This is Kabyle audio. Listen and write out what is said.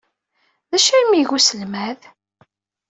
D acu ay am-iga uselmad?